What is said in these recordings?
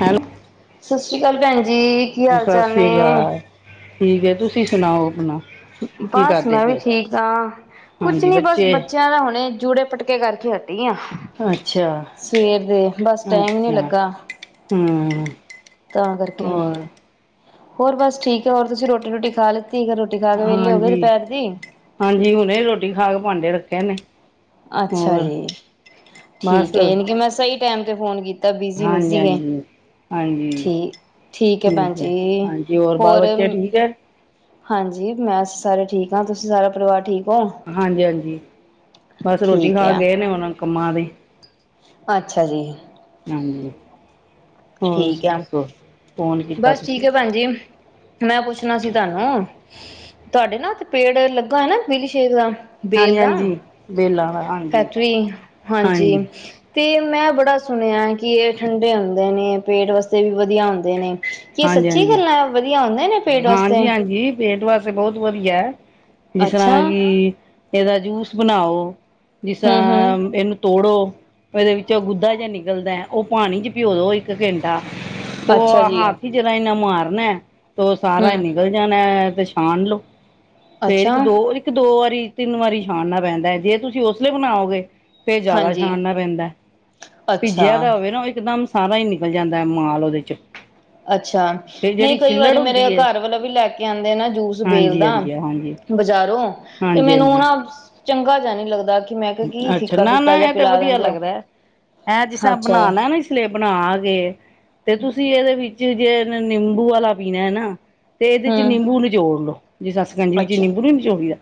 Hello. ਸਤਿ ਸ਼੍ਰੀ ਅਕਾਲ ਭੈਣ ਜੀ। ਕੀ ਹਾਲ ਸਤਿ ਚਾਲ ਸ੍ਰੀ ਨੇ ਅਕਾਲ। ਠੀਕ ਹੈ ਤੁਸੀ ਸੁਣਾਓ ਆਪਣਾ। ਕੀ ਬਸ ਕਰਦੇ ਮੈਂ ਵੀ ਪਏ ਹੋ? ਠੀਕ ਆਂ। ਕੁਛ ਹਾਂਜੀ, ਨੀ ਬਸ ਬੱਚੇ ਬੱਚੇਆਂ ਦਾ ਹੁਣੇ ਜੂੜੇ ਪਟਕੇ ਕਰਕੇ ਹਟ ਆਂ ਅੱਛਾ, ਸਵੇਰ ਦੇ। ਬਸ ਟਾਈਮ ਨੀ ਅੱਛਾ ਲੱਗਾ। ਹੂੰ ਤਾਂ ਕਰਕੇ। ਹੋਰ ਹੋਰ ਬਸ ਠੀਕ ਐ। ਹੋਰ ਤੁਸੀਂ ਰੋਟੀ ਰੁਟੀ ਖਾ ਲੀ ਹਾਂਜੀ ਹਾਂਜੀ ਹੁਨੇ ਰੋਟੀ ਖਾ ਕੇ ਪਾਂਡੇ ਰੱਖੇ ਨੇ। ਅੱਛਾ ਹੋਰ ਜੀ, ਬਸ ਠੀਕ ਹੈ। ਯਾਨ ਕਿ ਮੈਂ ਸਹੀ ਟਾਈਮ ਫੋਨ ਕੀਤਾ ਬਿਜੀ ਨੀ ਹਾਂਜੀ, ਸੀਗੇ। ਹਾਂਜੀ, ਹਾਂਜੀ ਠੀਕ ਠੀਕ ਹੈ ਭੈਣ ਜੀ। ਹਾਂਜੀ ਬਾਲ ਹੋਰ ਬੱਚੇ ਠੀਕ ਹੈ? ਹਾਂਜੀ ਮੈਂ ਸਾਰੇ ਠੀਕ ਹਾਂ। ਤੁਸੀ ਸਾਰਾ ਪਰਿਵਾਰ ਠੀਕ ਹੋ ਹਾਂਜੀ ਹਾਂਜੀ ਬਸ ਰੋਟੀ ਠੀਕ ਖਾ ਹੈ ਗਏ ਨੇ ਹੁਣ ਕੰਮਾਂ ਤੇ ਅੱਛਾ ਜੀ। ਹਾਂਜੀ। ਹੋਰ ਠੀਕ ਸੀ ਆ ਦੱਸੋ। ਫੋਨ ਕੀਤਾ ਬਸ ਠੀਕ ਤੁਸੀਂ? ਏ ਭੈਣਜੀ। ਮੈਂ ਪੁੱਛਣਾ ਸੀ ਤੁਹਾਨੂੰ ਤੁਹਾਡੇ ਨਾ ਓਥੇ ਪੇੜ ਲੱਗਾ ਹੋਏ ਨਾ ਵਿਲੀ ਸ਼ੇ ਦਾ। ਬੇਲ ਹਾਂਜੀ, ਦਾ। ਹਾਂਜੀ ਵੇਲਾ ਦਾ, ਹਾਂਜੀ। ਫੈਕਟਰੀ, ਹਾਂਜੀ ਤੇ ਮੈਂ ਬੜਾ ਸੁਣਿਆ ਕਿ ਇਹ ਠੰਡੇ ਹੁੰਦੇ ਨੇ ਪੇਟ ਵਾਸਤੇ ਵੀ ਵਧੀਆ ਹੁੰਦੇ ਨੇ ਕੀ ਹਾਂਜੀ ਸੱਚੀ ਹਾਂਜੀ ਗੱਲਾਂ ਵਧੀਆ ਹੁੰਦੇ ਨੇ ਪੇਟ ਵਾਸਤੇ? ਜੀ ਬਹੁਤ ਵਧੀਆ ਹੈ। ਜਿਸ ਅੱਛਾ ਤਰ੍ਹਾਂ ਕਿ ਇਹਦਾ ਜੂਸ ਬਣਾਓ ਜਿਸ ਹੂੰ ਹੂੰ ਤਰ੍ਹਾਂ ਇਹਨੂੰ ਤੋੜੋ ਇਹਦੇ ਵਿੱਚੋਂ ਗੁੱਧਾ ਜਿਹਾ ਨਿਕਲਦਾ ਉਹ ਪਾਣੀ ਚ ਪਿਓ ਦੋ ਇੱਕ ਘੰਟਾ। ਤੋ ਅੱਛਾ ਜੀ ਹਾਥੀ ਜੜ ਇੰਨਾ ਮਾਰਨਾ ਤੇ ਉਹ ਸਾਰਾ ਹੂੰ ਨਿਕਲ ਜਾਣਾ ਤੇ ਛਾਣ ਲੋਓ ਫੇਰ ਇੱਕ ਅੱਛਾ ਦੋ ਇੱਕ ਦੋ ਵਾਰੀ ਤਿੰਨ ਵਾਰੀ ਛਾਨਾ ਪੈਂਦਾ ਜੇ ਤੁਸੀਂ ਉਸ ਲਈਲੇ ਬਣਾਓਗੇ ਫੇਰ ਜ਼ਿਆਦਾ ਹਾਂਜੀ ਛਾਣਨਾ ਪੈਂਦਾ ਭੀਜਿਆ ਅੱਛਾ ਤਾਂ ਹੋਵੇ ਨਾ ਉਹ ਇੱਕਦਮ ਸਾਰਾ ਹੀ ਨਿਕਲ ਜਾਂਦਾ ਹੈ ਮਾਲ ਉਹਦੇ ਚ। ਅੱਛਾ ਤੇ ਨਹੀਂ ਜਿਹੜੀ ਕਈ ਵਾਰੀ ਛਿੱਲੜ ਮੇਰੇ ਹੁੰਦੀ ਹੈ ਘਰ ਵਾਲਾ ਵੀ ਲੈ ਕੇ ਆਉਂਦੇ ਨਾ ਜੂਸ ਬੇਲ ਹਾਂਜੀ ਦਾ। ਹਾਂਜੀ ਹਾਂਜੀ ਬਜ਼ਾਰੋਂ ਤੇ ਹਾਂਜੀ ਮੈਨੂੰ ਹਾਂਜੀ ਨਾ ਚੰਗਾ ਜਿਹਾ ਨਹੀਂ ਲੱਗਦਾ। ਕਿ ਮੈਂ ਕਿਹਾ ਕੀ ਅੱਛਾ ਫਿੱਕਾ ਨਾ ਨਾ ਫਿੱਕਾ ਜਿਹਾ ਇਹ ਤੇ ਪਿਲਾ ਵਧੀਆ ਦਿੰਦੇ ਹੋ ਲੱਗਦਾ ਹੈ। ਹੈਂ ਜਿਸ ਤਰ ਅੱਛਾ ਬਣਾਣਾ ਨਾ ਇਸ ਲਈ ਬਣਾ ਕੇ ਤੇ ਤੁਸੀਂ ਇਹਦੇ ਵਿੱਚ ਜੇ ਨਿੰਬੂ ਵਾਲਾ ਪੀਣਾ ਨਾ ਤੇ ਇਹਦੇ ਚ ਹੂੰ ਨਿੰਬੂ ਨੂੰ ਨਚੋੜ ਲੋੋ। ਜੇ [unintelligible] ਜੀ ਵਿੱਚ ਅੱਛਾ ਨਿੰਬੂ ਨੀ ਨਿਚੋੜੀ ਦਾ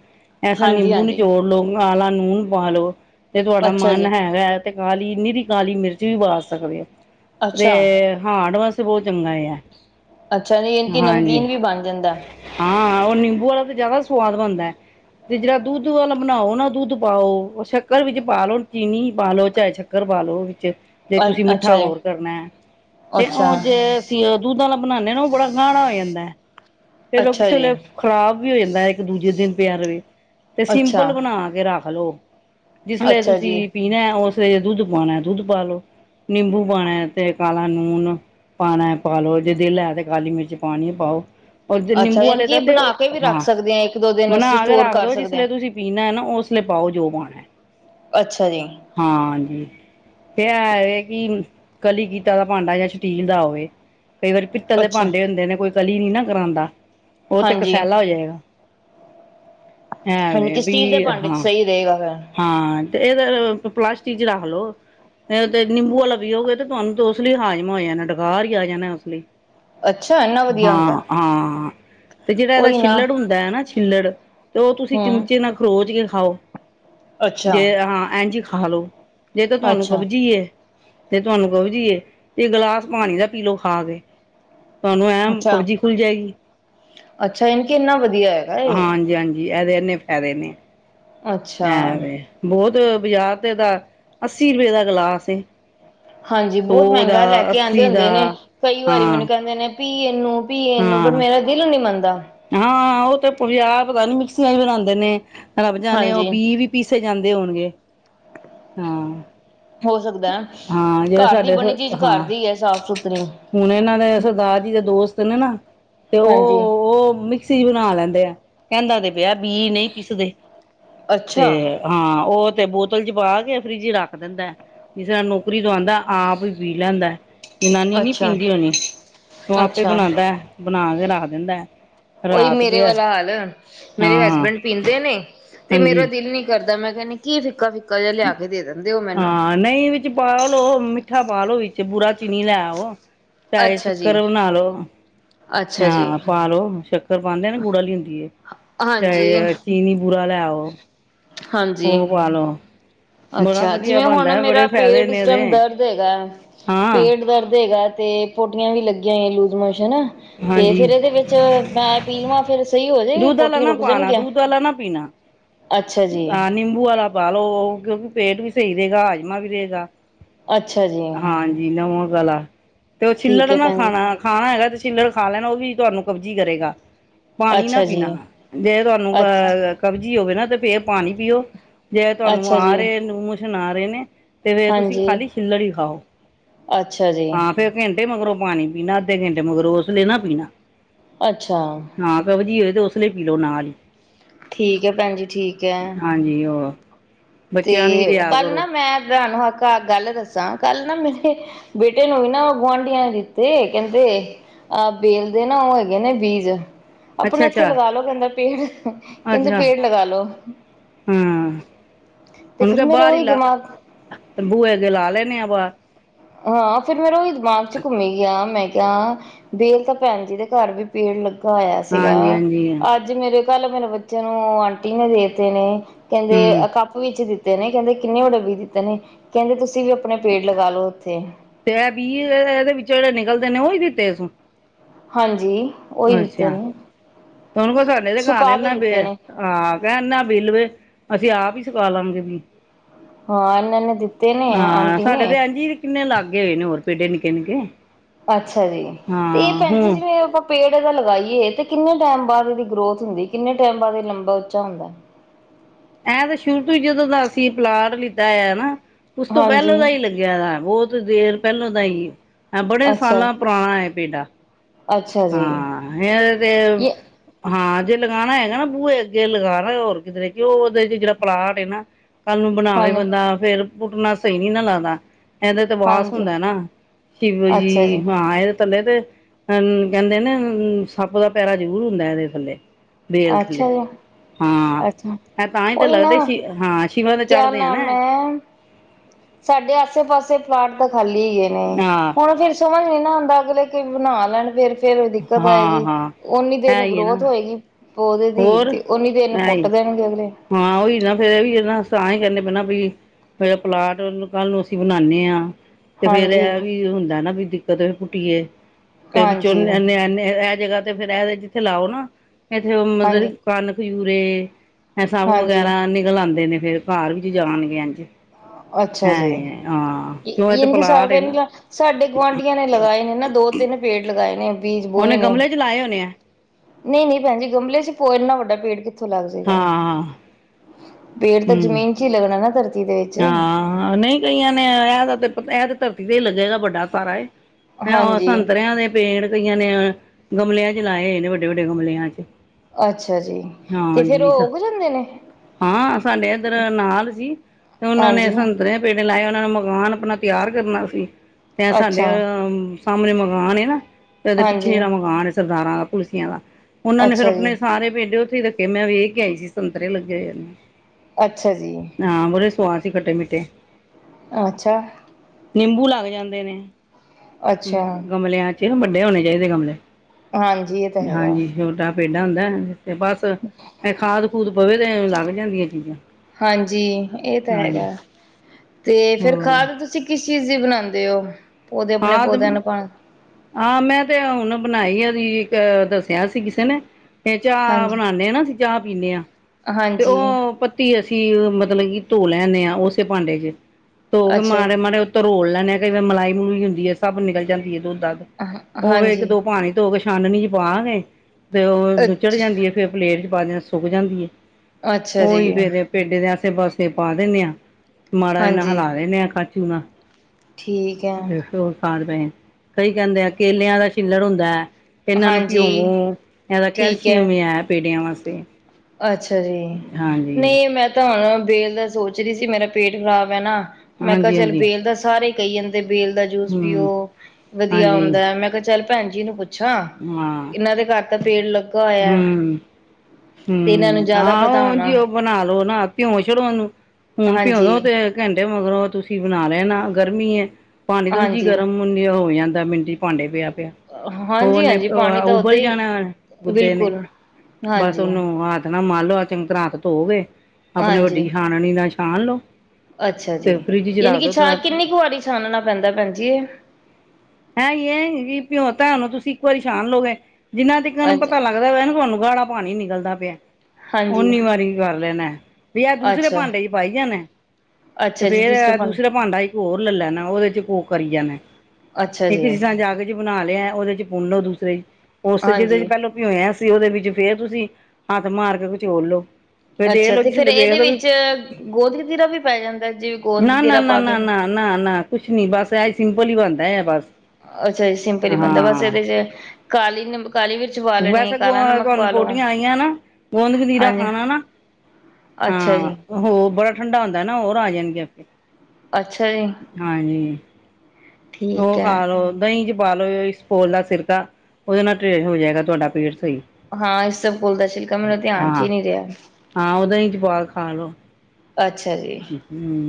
ਐਸਾ ਹਾਂਜੀ ਨਿੰਬੂ ਹਾਂਜੀ ਨਚੋੜ ਲੋ ਆਲਾ ਨੂਨ ਪਾ ਲੋ। ਤੇ ਤੁਹਾਡਾ ਅੱਛਾ ਮਨ ਜੀ ਹੈਗਾ ਤੇ ਕਾਹਾਲਲੀ ਇੰਨੀਰੀ ਕਾਲੀ ਮਿਰਚ ਵੀ ਪਾ ਸਕਦੇ ਹੋ। ਤੇ ਅੱਛਾ ਹਾਰਟ ਵਾਸਤੇ ਬਹੁਤ ਚੰਗਾ ਏ ਆ। ਅੱਛਾ ਇਹ ਕਿ ਹਾਂਜੀ ਨਮਕੀਨ ਵੀ ਬਣ ਜਾਂਦਾ। ਹਾਂ ਉਹ ਨਿੰਬੂ ਵਾਲਾ ਤਾਂ ਜ਼ਿਆਦਾ ਸਵਾਦ ਬਣਦਾ ਹੈ। ਤੇ ਜਿਹੜਾ ਦੁੱਧ ਵਾਲਾ ਬਣਾਓ ਨਾ ਦੁੱਧ ਪਾਓ ਉਹ ਸ਼ੱਕਰ ਵਿੱਚ ਪਾ ਲੋ ਚੀਨੀ ਪਾ ਲੋ ਚਾਹੇ ਸ਼ੱਕਰ ਪਾ ਲੋ। ਜੇ ਅ ਤੁਸੀਂ ਅੱਛਾ ਮਿੱਠਾ ਜੀ ਹੋਰ ਕਰਨਾ ਹੈ। ਤੇ ਅੱਛਾ ਉਹ ਜੇ ਅਸੀਂ ਦੁੱਧ ਵਾਲਾ ਬਣਾਉਾਨਦੇ ਨਾ ਉਹ ਬੜਾ ਗਾਣਾ ਹੋ ਜਾਂਦਾ। ਫੇਿਰ ਉਹ ਅੱਛਾ ਕਿਸੇ ਜੀ ਵੇਲੇ ਖ਼ਰਾਬ ਵੀ ਹੋ ਜਾਂਦਾ ਇੱਕ ਦੂਜੇ ਦਿਨ ਪਿਆ ਰਵੇ। ਤੇ ਅੱਛਾ ਸਿੰਪਲ ਬਣਾ ਕੇ ਰੱਖ ਲਓ ਜਿਸਲਲੇ ਅੱਛਾ ਜੀ ਤੁਸੀਂ ਪੀਣਾ ਉਸ ਸਵੇਰੇ ਦੁੱਧ ਪਾਉਣਾ ਦੁੱਧ ਪਾ ਲੋ ਨਿੰਬੂ ਪਾਉਣਾ ਤੇ ਕਾਲਾ ਨੂਨ। ਪਾਣਾ ਪਾ ਲੋ ਜੇ ਦਿਲ ਲੈ ਤੇ ਕਾਲੀ ਮਿਰਚ ਪਾਣੀ ਹੈ ਪਾਓ। ਅੱਛਾ ਨਿੰਬੂ ਯਾਨੀ ਵਾਲੇ ਕਿ ਦਾ ਇਹ ਤੇ ਬਣਾ ਕੇ ਵੀ ਰੱਖ ਹਾਂ ਸਕਦੇ ਆ ਇੱਕ ਦੋ ਦਿਨ ਅਸੀਂ ਬਣਾ ਕੇ ਸਟੋਰ ਕਰ ਰੱਖਦੋ ਸਕਦੇ ਆ ਜਿਸਲਲੇ ਤੁਸੀਂ ਪੀਂਣਾ ਹੈ ਨਾ ਉਸ ਪਾਓ ਜੋ ਪਾਉਣਾ ਅੱਛਾ ਜੀ ਹਾਂਜੀ। ਫੇਰ ਇਹ ਹੈ ਕਿ ਕਲੀ ਕੀਤਾ ਹੋਆ ਭਾਂਡਾ ਜਾਂ ਸ਼ਟੀਲ ਦਾ ਹੋਵੇ। ਕਈ ਵਾਰੀ ਪਿੱਤਲ ਦੇ ਅੱਛਾ ਭਾਂਡੇ ਹੁੰਦੇ ਨੇ ਕੋਈ ਕਲੀ ਨ ਨਾ ਕਰਾਉਂਦਾ ਉਹ ਤੇ ਹਾਂਜੀ ਕਸਹਿਲਾ ਹੋ ਜਾਏਗਾ। ਹਾਂਜੀ ਐਵੇਂ ਕਿ ਸਟੀਲ ਦੇ ਬੀ, ਭਾਂਡੇ ਚ ਸਹੀ ਰਹੇਗਾ ਫਿਰ ਹਾਂ-ਹਾਂ ਏਦੇ ਪਲਾਸਟਿਕ 'ਚ ਰੱਖ ਲੋ। ਤੇ ਨਿੰਬੂ ਆਲਾ ਪਿਓਗੇ ਤੇ ਤੁਆਨੂੰ ਤੇ ਉਸ ਲਈ ਹਾਜ਼ਮਾ ਹੋ ਜਾਨਾ ਏ, ਡਕਾਰ ਈ ਆ ਜਾਨਾ ਉਸ ਲਈ ਅੱਛਾ ਇੰਨਾ ਵਧੀਆ ਹੁੰਦਾ ਹਾਂ, ਹਾਂ। ਤੇ ਜੇੜਾ ਇਦਾ ਉਹੀ ਨਾ ਛਿੱਲੜ ਹੁੰਦਾ ਐ ਨਾ ਛਿੱਲੜ ਤੇ ਉਂ ਤੁਸੀਂ ਹਮ ਚਿਮਚੇ ਨਾਲ ਖਰੋਚ ਕੇ ਖਾਓ ਅੱਛਾ ਜੇ ਹਾਂ ਐਂਜੀ ਖਾ ਲੋ ਜੇ ਤੇ ਤੁਆਨੂੰ ਅੱਛਾ ਕਬਜੀ ਐ ਤੇ ਤੁਆਨੂੰ ਕਬਜੀ ਏ ਤੇ ਗਲਾਸ ਪਾਨੀ ਦਾ ਪੀਲੋ ਖਾ ਕੇ। ਤੁਆਨੂੰ ਐਂ ਅੱਛਾ ਕਬਜੀ ਖੁੱਲ ਜਾਏਗੀ ਅੱਛਾ, ਇਨਕੇ ਇੰਨਾ ਵਦੀਆ ਹੈਗਾ ਏ। ਏਦੇ ਏੰਨੇ ਫੈਦੇ ਨੇ ਅੱਛਾ ਐ ਵੇ ਬੋਤ ਬਜ਼ਾਰ ਤੇ ਏਦਾ ਅੱਸੀ ਰੁਪਏ ਦਾ ਗਲਾਸ ਏ। ਹਾਂਜੀ, ਬੋਤ ਸੌ ਦਾ ਮੈਂਗਾ ਲੈ ਕੇ ਆਂਦੇ ਅੱਸੀ ਦਾ ਹੁੰਦੇ ਨੇ ਕਈ ਵਾਰੀ ਹਾਂ ਮੈਨੂੰ ਕੈਂਦੇ ਨੇ ਪੀ ਏਨੂੰ, ਪੀ ਏਨੂੰ ਪਰ ਹਾਂ ਮੇਰਾ ਦਿਲ ਨੀ ਮੰਨਦਾ। ਹਾਂ ਉਹ ਤੇ [unintelligible] ਮਿਕਸੀਆਂ ਚ ਬਣਾਂਦੇ ਨੇ। ਰੱਬ ਜਾਂਨੇ ਉ ਹਾਂਜੀ ਬੀ ਵੀ ਪੀਸੇ ਜਾਂਦੇ ਹੋਣਗੇ ਹਾਂ। ਹੋ ਸਕਦਾ ਏ ਹਾਂ ਜਿਹੜੇ ਘਰ ਦੀ ਸਾਡੇ ਬਣੀ ਚੀਜ਼ ਘਰ ਹਾਂ ਦੀ ਐ ਸਾਫ਼ ਸੁਥਰੀ ਹੁਣ ਇਹਨਾਂ ਦੇ ਸਰਦਾਰ ਜੀ ਦੇ ਦੋਸਤ ਨੇ ਨਾ ਤੇ ਹਾਂਜੀ ਉਹ ਉਹ ਮਿਕਸੀ ਬਣਾ ਲੈਂਦੇ ਆ ਕੇਂਦਾ ਤੇ ਪਿਆ ਬੀ ਨਈ ਪਿਸਦੇ ਤੇ ਅੱਛਾ ਹਾਂ ਉ ਤੇ ਬੋਤਲ 'ਚ ਪਾ ਕੇ ਫਰਿੱਜ ਰੱਖ ਦਿੰਦਾ ਏ, ਜਿਸ ਤਰ੍ਹਾਂ ਨੌਕਰੀ ਤੋਂ ਆਂਦਾ ਆਪ ਵੀ ਪੀ ਲੈਂਦਾ। ਜਨਾਨੀ ਨੀ ਅੱਛਾ ਪੀਂਦੀ ਹੋਣੀ ਤੂੰ ਆਪੇ ਅੱਛਾ ਬਣਾਂਦਾ ਐਂ, ਬਣਾ ਕੇ ਰੱਖ ਦਿੰਦਾ ਐ ਉਈ ਮੇਰੇ ਵਾਲਾ ਹਾਲ ਮੇਰੇ ਹਾਂ ਹਸਬੈਂਡ ਪੀਂਦੇ ਨੇ ਤੇ ਮੇਰਾ ਹਾਂਜੀ ਦਿਲ ਨੀ ਕਰਦਾ ਮੈਂ ਕਹਿੰ ਕੀ ਫਿੱਕ- ਫਿਕ ਹਾਂ, ਨਈ ਵਿੱਚ ਪਾ ਲੋ ਮਿੱ ਮਿੱਠਾ ਪਾ ਲੋ ਵਿੱਚ ਬੁਰਾ ਚੀਨੀ ਲੈ ਆਓ ਚਾਹੇ ਅੱਛਾ ਜੀ ਸ਼ੱਕਰ ਬਣਾ ਲੋ ਅੱਛਾ ਜੀ ਹਾਂ, ਪਾਲ ਲੋ ਸ਼ਕ ਕਰ ਪਾਂਦੇ ਨੇ ਗੂੜ ਆਲੀ ਹੁੰਦੀ ਏ, ਹਾਂਜੀ ਚਾਹੇ ਚੀਨੀ ਬੁਰਾ ਲੈ ਆਓ। ਹਾਂਜੀ ਔ ਪਾ ਲੋ ਅੱਛਾ, ਜਿਵੇਂ ਹੁਣ ਮੇਰਾ ਪੇਟ ਇਸ ਨੇ ਇਹਦੇ ਟਾਈਮ ਦਰਦ ਹੈਗਾ ਹਾਂ ਪੇਟ ਦਰਦ ਹੇਗਾ ਤੇ ਪੋਟੀਆਂ ਵੀ ਲੱਗੀਆਂ ਹੋਇਆ ਲੂਜਮੋਸ਼ ਹੇਨਾ, ਤੇ ਹਾਂਜੀ ਫੇਰ ਇਹਦੇ ਵਿੱਚ ਮੈਂ ਪੀਵਾਂ ਫੇਰ ਸਹੀ ਹੋ ਜੇਗੀ ਦੁੱਧ ਆਲਾ ਪੋਟੀਆਂ ਨਾ ਰੁਕ ਪਾਉਣਾ ਜਾਨਗੀਆਂ? ਦੁੱਧ ਆਲਾ ਨਾ ਪੀਣਾ, ਆ ਨਿੰਬੂ ਵਾਲਾ ਪਾ ਲੋ ਕਿਉਂਕਿ ਪੇਟ ਵੀ ਸਈ ਰੇਗਾ ਹਾਜਮਾ ਵੀ ਰੇਗਾ, ਅੱਛਾ ਜੀ ਹਾਂਜੀ ਨਵੋ ਵਾਲਾ ਤੇ ਉ ਛਿੱਲੜ ਠੀਕ ਹੈ ਨਾ ਭੈਣ ਜੀ ਖਾਨਾ, ਖਾਣਾ ਹੈਗਾ ਤੇ ਛਿੱਲੜ ਖਾ ਲੈਨਾ ਉ ਵੀ ਤੁਆਨੂੰ ਕਬਜੀ ਕਰੇਗਾ। ਪਾਨੀ ਨਾ ਅੱਛਾ ਜੀ ਪੀਨਾ, ਜੇ ਤੁਹਾਨੂੰ ਅੱ ਅ ਅ ਕਬਜੀ ਹੋਵੇ ਨਾ ਤੇ ਫੇਰ ਪਾਣੀ ਪੀਓ ਜੇ ਤੁਆਨੂੰ ਅੱਛਾ ਆ ਜੀ ਰਹੇ ਨੇ ਨੂੰ ਮੋਸ਼ਨ ਆ ਰਏ ਨੇ ਤੇ ਫੇ ਤੁਸੀਂ ਹਾਂਜੀ, ਖਾਲੀ ਖਿੱਲੜੀ ਖਾਓ ਅੱਛਾ ਜੀ, ਹਾਂ ਫੇਰ ਘੰਟੇ ਮਗਰੋਂ ਪਾਨੀ ਪੀਨਾ ਅੱਧੇ ਘੰਟੇ ਮਗਰੋ ਉਸ ਲੇ ਨਾ ਪੀਨਾ ਅੱਛਾ। ਹਾਂ ਕਬਜੀ ਤੇ ਔਸਲੇ ਪੀਲੋ ਨਾਲ ਹੀ, ਠੀਕ ਐ ਭੈਣ ਜੀ, ਠੀਕ ਐ। ਹਾਂਜੀ ਔ ਤੇ ਕੱਲ ਨਾ ਮੈਂ ਭਰਾ ਨੂੰ ਹੱਕ ਕ ਗਾੱਲ ਦੱਸਾਂ ਕੱਲ ਨਾ ਮੇਰੇ ਬੇਟੇ ਨੂੰ ਵੀ ਨਾ ਗੁਆਂਢੀਆਂ ਨੇ ਦਿੱਤੇ ਕੇਂਦੇ ਆ ਬੇਲਦੇ ਨਾ ਉਹ ਹੈਗੇ ਨੇ ਬੀਜ ਆਪਣੇ ਅੱਛਾ ਇੱਥੇ ਅੱਛਾ ਲਗਾ ਲੋ ਕੇਂਦਾ ਪੇੜ ਕੇਂਦੇ ਅੱਛਾ ਪੇੜ ਲਗਾ ਲੋੋ ਹਾਂ ਹੁਣ ਤੇ ਬਾਰ ਈ ਲਾ ਬੂਏ ਅਗੇ ਲਾ ਲੈਨੇ ਆ ਬਾਰ ਹਾਂ ਫੇਰ ਮੈਂਰੇ ਉਈ ਦਿਮਾਗ ਚ ਘੁੰਮੀ ਗਿਆ। ਮੈਂ ਬੇਲ ਤਾਂ ਭੈਣ ਜੀ ਦੇ ਘਰ ਵੀ ਪੇੜ ਲੱਗਾ ਹੋਇਆ ਸੀਗਾ ਹਾਂਜੀ-ਹਾਂਜੀ ਅੱਜ ਮੇਰੇ ਪੇਲੇ ਮੇਰੇ ਬੱਚੇਆ ਨੂੰ ਆਂਟੀ ਨੇ ਦੇਤੇ ਨੇ ਕੇਂਦੇ ਆ ਹੂੰ ਕੱਪ ਵਿੱਚ ਦਿੱਤੇ ਤੇ ਨੇ ਦਕੇਂਦੇ ਕਿੰਨੇ ਉਹ ਡੱਬੀ ਦਿੱਤੇ ਨੇ? ਕੇਂਦੇ ਤੁਸੀਂ ਵੀ ਅਪਣੇ ਪੇਡ ਲਗਾ ਲੋ ਤੇ ਏ ਬੀਅ ਏ ਏਦੇ ਵਿੱਚ ਜੇੜੇ ਨਿਕਲਦੇ ਨੇ ਉਈ ਦਿੱਤੇੂ ਸ਼ੂ ਹਾਂਜੀ, ਓਹੀ ਦਿੱਤੇ ਨੇ ਤੁਨੂੰ ਕੋ ਸਾਡੇ ਤੇ ਘਰ ਸੁਕਾ ਕੇ ਇੰਨਾ ਦਿੱਤੇ ਬੇਲ ਨੇ ਆ, ਕੇ ਣੇਨਾ ਬਿੱਲਵੇ ਅਸੀਂ ਆਪ ਸੁਖਾ ਲਾਂਗੇ ਵੀ ਹਾਂ ਇਹਨਾਂ ਨੇ ਦਿੱਤੇ ਨੇ ਹਾਂ ਆਂਟੀ ਸਾਡੇ ਤੇ ਨੇ ਐਂਝ ਕਿੰਨੇ ਲਾਗ ਅ ਇਹਨ ਉਹ ਫਡੇ ਨਿਕ ਨੀ ਅੱਛਾ ਜੀ ਤੇ ਇਹ ਪੈਚ ਜਿਵੇਂ ਪੇੜ ਇਹਦਾ ਲਗਾਈਏ ਤੇ ਕਿੰਨੇ ਟਾਈਮ ਬਾਅਦ ਇਹਦੀ ਗਰੋਥ ਹੁੰਦੀ ਕਿੰਨੇ ਟਾਈਮ ਬਾਅਦ ਇਹ ਲੰਬਾ ਉੱਚਾ ਹੁੰਦਾ ਹ ਐਂ ਤਾਂ ਸ਼ੁਰੂ ਤੋਂ ਹੀ ਜਦੋਂ ਦਾ ਅਸੀਂ ਪਲਾਟ ਲਿੱਤਾ ਹੈ ਨਾ ਉਸ ਤੋਂ ਪਹਿਲੋਂ ਹਾਂਜੀ ਦਾ ਹੀ ਲੱਗਿਆ ਬਹੁਤ ਦੇਰ ਪਹਿਲੋਂ ਦਾ ਹੀ ਹੈ ਬੜੇ ਅੱਛਾ ਸਾਲਾਂ ਪੁਰਾਣਾ ਹੈ ਪੇਡਾ ਅੱਛਾ ਜੀ ਹਾਂ ਇਹ ਤੇ ਯ ਹਾਂ ਜੇ ਲਗਾਉਣਾ ਹੈਗਾ ਨਾ ਬੂਹੇ ਅੱਗੇ ਲਗਾਣਾ ਹੋਰ ਕਿਧਰੇ ਕਿ ਉਹਦੇ ਚ ਜਿਹੜਾ ਪਲਾਟ ਹੈ ਨਾ ਕੱਲ ਨੂੰ ਬਣਾਵੇ ਹਾਂ ਬੰਦਾ ਫੇਰ ਪੁੱਟਣਾ ਸਹੀ ਨੀ ਨਾ ਲੱਗਦਾ ਇਹਦੇ ਤੇ ਵਾਸ ਹਾਂਜੀ ਹੁੰਦਾ ਨਾ ਸ਼ਿਵ ਜੀ ਹਾਂ ਇਹਦੇ ਥੱਲੇ ਤੇ ਅ ਕਹਿੰਦੇ ਨਾ ਸੱਪ ਦਾ ਪੈਰਾ ਜ਼ਰੂਰ ਹੁੰਦਾ ਇਹਦੇ ਥੱਲੇ ਬੇਲ ਥੱਲੇ ਅੱਛਾ ਜ ਹਾਂ ਅੱਛਾ ਇਹ ਤਾਂ ਹੀ ਤੇ ਉਹੀ ਲੱਗਦੇ ਨਾ ਸੀ ਹਾਂ ਸ਼ਿਵਾ ਤੇ ਕਿਆ ਚੜ੍ਹਦੇ ਆ ਨਾ ਨਾਮ ਹੈ ਸਾਡੇ ਆਸੇ ਪਾਸੇ ਪਲਾਟ ਤਾਂ ਖਾਲੀ ਗਏ ਨੇ ਹਾਂ ਹੁਣ ਫੇਿਰ ਸਮਝ ਨੀ ਨਾ ਹੁੰਦਾ ਅੱਗਲੇੈ ਕੇ ਬਣਾ ਲੈਣ ਫਿਰ ਫੇਰ ਦਿੱਕਤ ਹਾਂ ਆਏਗੀ ਹਾਂ ਉਓਨੀ ਹੈ ਦਿਨ ਹੀ ਹੈ ਨਾ ਗਰੋਥ ਹੋਏਗੀ ਪੌਦੇ ਦੀ ਹੋਰ ਤੇ ਓਨੀ ਦੇਰ ਨੂੰ ਐ ਪੁੱਟ ਦੇਣਗੇ ਅਗਲੇ ਹਾਂ ਹੀ ਨਾ ਫੇਿਰ ਇਹ ਵੀ ਇਹ ਤਾਂ ਹੀ ਕਹਿੰਦੇ ਪਹਿਾਂ ਵੀ ਹੋ ਪਲਾਟ ਕੱਲ ਨੂੰ ਅਸੀਂ ਬਣਾਉਂਦੇ ਹਾਂ ਤੇ ਫੇਰ ਹਾਂਜੀ ਇਹ ਵੀ ਹੁੰਦਾ ਨਾ ਵੀ ਦਿੱਕਤ ਪੁੁੱਟੀਏ ਤੇ ਹਾਂਜੀ ਜਗ੍ਹਾ ਤੇ ਫੇਰ ਇਹ ਜਿੱਥੇ ਲਾਓ ਨਾ ਇੱਥੇ ਉਹ ਹਾਂਜੀ ਮਤਲਬ ਕਨ ਖਯੂਰੇ ਸਭ ਹਾਂਜੀ ਵਗੈਰਾ ਨਿਕਲ ਆਉਂਦੇ ਨੇ ਫੇਰ ਘਰ ਵਿੱਚ ਜਾਣਗੇ ਇੰ ਹੈ ਹਾਂ ਕਿਉਂ ਇਹ ਤੇ ਇਹੀ ਕਿ ਪਲਾਟ ਏ ਨਾ ਫ ਸਾਡੇ ਗੁਆਂਢੀਆਂ ਨੇ ਲਗਾਏ ਨੇ ਨਾ ਦੋ ਤਿੰਨ ਪੇੜ ਲਗਾਏ ਨੇ ਬੀਜ ਉਹਨੇ ਬੋਏ ਨੇ ਗਮਲੇ ਚ ਲਾਏ ਹੋਣੇ ਆ ਨਹੀਂ ਨਹੀਂ ਭੈਣ ਜੀ ਗਮਲੇ ਸੀ ਇੰਨਾ ਵੱਡਾ ਪੇੜ ਕਿੱਥੋਂ ਲੱਗ ਜਾਗਾ ਹਾਂ ਪੇੜ ਤਾਂ ਹੂੰ ਜ਼ਮੀਨ ਚ ਹੀ ਲਗਣਾ ਨਾ ਦੇ ਵਿੱਚ ਹਾਂ ਨਹੀਂ ਕਈਆਂ ਨੇ ਇਹ ਇਹ ਤੇ ਧਰਤੀ ਤੇ ਹੀ ਲੱਗੇਗਾ ਵੱਡਾ ਸਾਰਾ ਇਹ ਉਹ ਹਾਂਜੀ ਸੰਤਿਰਆਂ ਦੇ ਪੇੜ ਕਈਆਂ ਨੇ ਗਮਲਿਆਂ ਚ ਲਾਏ ਨੇ ਵੱਡੇ- ਵੱਡੇ ਗਮਲਿਆਂ ਚ ਅੱਛਾ ਜੀ ਤੇ ਫੇਿਰ ਹਾਂਜੀ ਉਹ ਉਗ ਜਾਂਦੇ ਨੇ ਹਾਂ ਸਾਡੇ ਇੱਧਰ ਨਾਲ ਸੀ ਤੇ ਉਹਨਾਂ ਨੇ ਹਾਂਜੀ ਸੰਤਰੇ ਪੇੜੇ ਲਾਏ ਉਹਨਾਂ ਨੂੰ ਮਕਾਨ ਆਪਣਾ ਤਿਆਰ ਕਰਨਾ ਸੀ ਤੇ ਸਾਡੇ ਅੱਛਾ ਅਹ ਸਾਹਮਣੇ ਮਕਾਨ ਨਾ ਤੇ ਉਹਦੇ ਪਿੱਛੇ ਹਾਂਜੀ ਜਿਹੜਾ ਮਕਾਨ ਦਾਰਾਂ ਦਾ ਪੁਲਸੀਆਂ ਦਾ ਉਹਨਾਂ ਨੇ ਫੇਿਰ ਅੱਛਾ ਆਪਣੇ ਜੀ ਸਾਰੇ ਪੇਡੇ ਦੇ ਮੈਂ ਵੇਖ ਕੇ ਆਈ ਸੀ ਸੰਤਰੇ ਲੱਗੇ ਹੋਏ ਨੇ ਅੱਛਾ ਜੀ ਸੋਆ ਸੀ ਖੱਟੇ ਮਿੱਟੇ ਅੱਛਾ ਨਿੰਬੂ ਲੱਗ ਜਾਂਦੇ ਨੇ ਅੱਛਾ ਗਮਲਿਆਂ ਚ ਵੱਡੇ ਹੋਣੇ ਚਾਹੀਦੇ ਗਮਲੇ ਹਾਂਜੀ ਇਹ ਤਾਂ ਹੈਗਾ ਹਾਂਜੀ ਛੋਟਾ ਪੇਡਾ ਹੁੰਦਾ ਤੇ ਬਸ ਇਹ ਖਾਦ ਖੂਦ ਪਵੇ ਤੇ ਲੱਗ ਜਾਂਦੀਆਂ ਚੀਜ਼ਾਂ ਹਾਂਜੀ ਇਹ ਤਾਂ ਹਾਂਜੀ ਹੈਗਾ ਤੇ ਫੇਿਰ ਹੋਰ ਖਾਦ ਤੁਸੀਂ ਕਿਸ ਚੀਜ਼ ਦੀ ਬਣਾ ਦੇ ਉਹ ਪੌਦੇ ਆਪਣੇ ਖਾਦ ਪੌਦਿਆਂ ਨੂੰ ਪਾ ਹਾਂ ਮੈਂ ਤੇ ਹੁਣ ਬਣਾਈ ਆ ਇੱਕ ਦੱਸਿਆ ਸੀ ਕਿਸੇ ਨੇ ਚਾਹ ਹਾਂਜੀ, ਬਣਾਉਦੇ ਹ ਨਾ ਅਸੀਂ ਚਾਹ ਪੀਦੇ ਹਾਂ ਤੇ ਹਾਂਜੀ, ਉਹ ਪੱਤੀ ਅਸੀਂ ਮਤਲਬ ਕਿ ਧੋ ਲੈਂਦੇ ਹਾਂ ਉਸੇ ਭਾਂਡੇ ਚ ਧੋ ਕੇ ਅੱਛਾ ਜੀ, ਮਾੜੇ ਮਾੜੇ ਉੱ ਘੌਲ ਲੈਂਦੇ ਹ ਕਈ ਵ ਮਲਾਈ ਮਲੂਈ ਹੁੰਦੀ ਹੈ ਸਭ ਨਿਕਲ ਜਾਂਦੀ ਹੈ ਦੁੱਧ ਦੱਧ ਹਾਂ ਉਹਵੇ ਇੱਕ ਹਾਂਜੀ। ਦੋ ਪਾਣੀ ਧੋ ਕੇ ਛਾਨਣੀ ਚ ਪਾਗੇ ਤੇ ਉਹ ਨੱਚੜ ਅੱਛ, ਜਾਂਦੀ ਹੈ ਫੇਰ ਪਲੇਟ ਚ ਪਾ ਦੇਣਾ ਸੁੱਕ ਜਾਂਦੀ ਹੈ ਅੱਛਾ ਉਹੀ ਜੀ, ਫੇਰ ਪੇਡੇ ਦੇ ਪਾਸੇ ਪਾਸੇ ਪਾ ਦਿੰਦੇ ਆਾਂ ਮਾੜਾ ਇਹਨਾ ਹਾਂਜੀ, ਹਿਲਾ ਦਿੰਨਦੇ ਆ ਖਾਚੂ ਨਾਲ ਠੀਕ ਐ। [unintelligible] ਕਈ ਕਹਿੰਦੇ ਆ ਕੇਲਿਆਂ ਦਾ ਛਿੱਲੜ ਹੁੰਦਾ ਇਹਨਾਂ ਨੂੰ ਭਿਓਵੋ ਹਾਂਜੀ, ਇਹਦਾ ਠੀਕ ਐ, ਕੈਲਸ਼ੀਅਮ ਹੀ ਆ ਪੇੜਿਆਂ ਵਾਸਤੇ ਅੱਛਾ ਜੀ ਹਾਂਜੀ ਨਹੀਂ, ਮੈਂ ਤਾਂ ਹੁਣ ਵੇਲ ਦਾ ਸੋਚ ਰਹੀ ਸੀ ਮੇਰਾ ਪੇਟ ਖ਼ਰਾਬ ਐ ਨਾ ਮੈਂ ਕਿਹਾ ਹਾਂਜੀ ਚੱਲ ਹਾਂਜੀ ਵੇਲ ਦਾ ਸਾਰੇ ਕਹੀ ਜਾਂਦੇ ਤੇ ਬੇਲ ਦਾ ਜੂਸ ਪੀਓ ਹੂੰ, ਵਧੀਆ ਹਾਂਜੀ, ਆਂਦਾ ਮੈਂ ਕਿਹਾ ਚੱਲ ਭੈਣ ਜੀ ਨੂੰ ਪੁੱਛ ਅੱਛਾ ਇਹਨਾਂ ਦੇ ਘਰ ਤਾਂ ਪੇੜ ਹੋਇਆ ਤੇ ਇਨਾਂ ਨੂੰ ਹੂੰ-ਹੂੰ, ਜਾਦਾ ਪਤਾ ਆਹੋ ਹੋਣਾ। ਜੀ ਉਹ ਬਣਾ ਲੋ ਨਾ ਭਿਉਂ ਛੱਡੋ ਉਹਨੂੰ ਹੁਣ ਭਿਉੋ ਦੋ ਹਾਂਜੀ, ਤੇ ਘੰਟੇ ਮਗਰੋਂ ਤੁਸੀਂ ਬਣਾ ਲੈਣਾ ਗਰਮੀ ਐ ਪਾਣੀ ਤਾਂ ਉੰਝ ਹਾਂਜੀ, ਗਰਮ ਹੁਣਹੋ ਜਾਂਦਾ ਮਿੰਟ ਚ ਭਾਂਡੇ ਪ ਓ ਹਾਂਜੀ, ਓਨੇ ਹਾਂਜੀ ਪਾਣੀ ਤਾਂ ਓਦਾਂ ਉਬਲ ਈ ਜਾਣਾ ਬੁੱਧੇ ਨੇ ਬਿਲਕੁਲ ਬਸ ਹਾਂਜੀ ਉਹਨੂੰ ਹੱਥ ਨਾ ਮੰਨ ਲਓ ਆ ਚੰਗੀ ਤਰਾਂ ਹੱਥ ਧੋ ਗੇ ਆਪਣੇ ਹਾਂਜੀ ਵੱਡੀ ਛਾਨਣੀ ਨਾ ਛਾਣ ਲੋ ਅੱਛਾ ਜੀ, ਤੇ ਫਰਿੱਜ ਚ ਯਾਨੀ ਰੱਖ ਕਿ ਦੋ ਛਾ ਥੋੜਾ ਕਿੰਨੀ ਕ ਵਾਰੀ ਛਾਨਣਾ ਪੈਂਦਾ ਭੈਣ ਜੀ ਇਹ ਹੈਂ ਕਿ ਭਿਓ ਤਾਂ ਓਹਨੂੰ ਤੁਸੀਂ ਇੱਕ ਵਾਰੀ ਛਾਣ ਲਓਗੇ ਜਿੰਨਾ ਤਕ ਨੂੰ ਅੱਛਾ ਪਤਾ ਲੱਗਦਾ ਵਾ ਤੁਹਾਨੂੰ ਗਾੜਾ ਪਾਣੀ ਨਿਕਲਦਾ ਪਿਆ ਹਾਂਜੀ ਓਨੀ ਵਾਰੀ ਕਰ ਲੈਣਾ ਵੀ ਆਹ ਦੂਸਰੇ ਅੱਛਾ ਭਾਂਡੇ ਚ ਪਾਈ ਜਾਣੇ ਤੇ ਅੱਛਾ ਜੀ ਦੂਸਰੇ ਫੇਰ ਪਾਣੀ ਦੂਸਰਾ ਭਾਂਡਾ ਇੱਕ ਹੋਰ ਲੈ ਲੈਣਾ ਉਹਦੇ ਚ ਕੋ ਕਰੀ ਜਾਣਾ ਅੱਛਾ ਇੱਕ ਜੀ ਜਿਸ ਤਰ੍ਹਾਂ ਜੱਗ ਚ ਬਣਾ ਲਿਆ ਉਹਦੇ ਚ ਪੁੁੰਨ ਲੋ ਦੂਸਰੇ ਚ ਉਸ ਜਿਹਦੇ ਹਾਂਜੀ ਚ ਪਹਿਲੋਂ ਪਿਓਆ ਸੀ ਉਹਦੇ ਵਿੱਚ ਫੇਰ ਤੁਸੀਂ ਹੱਥ ਮਾਰ ਕੇ ਕਚੋਲ ਲੋ ਫੇਰ ਦੇਖ ਅੱਛਾ ਲੋ ਤੇ, ਫੇਰ ਜਿਸਲੇ ਵੇਖ ਇਹਦੇ ਲੋ ਵਿੱਚ ਗੋਦ ਕਤੀਰਾ ਵੀ ਪੈ ਜਾਂਦਾ ਜਿਵੇਂ ਗੋਦ ਕਤੀਰਾ ਪਾ ਕੇ ਨ-ਨਾ, ਕੁਛ ਨੀ ਬਸ ਐ ਹੀ ਸਿੰਪਲ ਹੀ ਬਣਦਾ ਐ ਬਸ ਅੱਛਾ ਜੀ ਸਿੰਪਲ ਹੀ ਬਣਦਾ ਬਸ ਹਾਂ ਇਹਦੇ ਚ ਕਾਲੀ ਨ ਕਾਲੀ ਮਿਰਚ ਪਾ ਲੈਣੀ ਵੈਸੇ ਕਾਲਾ ਨਮਕ ਤੁਹਾਨੂੰ ਪਾ ਲਓ ਪੋਟੀਆਂ ਆਈਆਂ ਨਾ ਗੋਂਦ ਕਤੀਰਾ ਹਾਂਜੀ ਖਾਣਾ ਨਾ ਅੱਛਾ ਹਾਂ, ਜੀ ਹੋ ਬੜਾ ਠੰਡਾ ਹੁੰਦਾ ਨਾ ਉਹ ਆ ਜਾਣਗੇ ਆਪੇ ਅੱਛਾ ਜੀ ਹਾਂਜੀ ਠੀਕ ਉਹ ਹੈ ਖਾ ਲਓ। ਦਹੀਂ ਚ ਪਾ ਲੋ ਪੋਲ ਦਾ ਸਿਰਕਾ ਉਹਦੇ ਨਾਲ ਢਿੱਡ ਹੋ ਜਾਏਗਾ ਤੁਹਾਡਾ ਪੇਟ ਹੀ, ਹਾਂ ਇਸ ਸਭ ਕੋਲ ਦਾ ਛਿਲਕਾ ਮੈਨੂੰ ਧਿਆਨ ਚ ਹੀ ਨਹੀਂ ਰਿਹਾ ਹਾਂ-ਹਾਂ ਓ ਦਹੀ ਚ ਪਾ ਖਾਲੋ ਅੱਛਾ ਜੀ,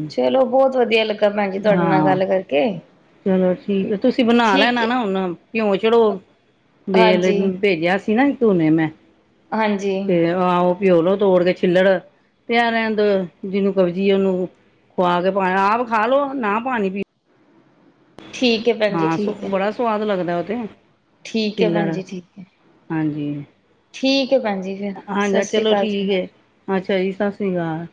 ਚਲੋ ਬਹੁਤ ਵਧੀਆ ਲੱਗਾ ਭੈਣ ਜੀ ਤੁਹਾਡੇ ਨਾਲ ਹਾਂ ਗੱਲ ਕਰਕੇ ਚਲੋ ਠੀਕ ਆ ਤੁਸੀਂ ਬਣਾ ਠੀਕ ਲੈਣਾ ਨਾ ਹੁਣ ਭਿਓ ਛੱਡੋ ਵੇਲ ਹਾਂਜੀ ਭੇਜਿਆ ਸੀ ਨਾ ਧੋਣੇ ਮੈਂ ਹਾਂਜੀ ਤੇ ਆਹੋ ਪਿਓਲੋ ਤੋੜ ਕੇ ਛਿੱਲੜ ਪਿਆ ਰਹਿਨ ਦੋ ਜਿਹਨੂੰ ਕਬਜੀ ਉਹਨੂੰ ਖੋਆ ਕੇ ਪਾ ਆਪ ਖਾ ਲੋ ਨਾ ਪਾਣੀ ਪੀ ਠੀਕ ਹੈ ਭੈਣ ਜੀ ਹਾਂ, ਠੀਕ ਹੈ ਬੜਾ ਸਵਾਦ ਲੱਗਦਾ ਤੇ ਠੀਕ ਐ ਛਿੱਲੜ ਭੈਣ ਜੀ ਠੀਕ ਐ ਹਾਂਜੀ ਠੀਕ ਐ ਭੈਣ ਜੀ ਫਿਰ ਸਤਿ ਹਾਂਜੀ ਸ੍ਰੀ ਚਲੋ ਅਕਾਲ ਜੀ ਠੀਕ ਹੈ ਅੱਛਾ ਜੀ, ਸਾਸਰੀ ਕਾਲ